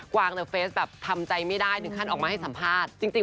วางในเฟสแบบทำใจไม่ได้ถึงขั้นออกมาให้สัมภาษณ์จริง